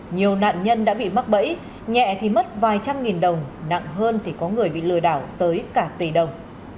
nhiều nạn nhân đã bị mắc bẫy nhẹ thì mất vài trăm nghìn đồng nặng hơn thì có người bị lừa đảo tới cả tỷ đồng